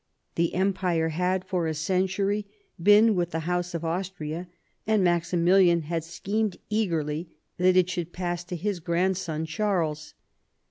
The empire had for a century been with the houseof Austria, andMaxi milian had schemed eagerly that it should pass to his grandson Charles.